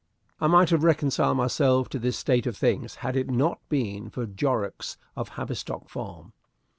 I might have reconciled myself to this state of things had it not been for Jorrocks, of Havistock Farm.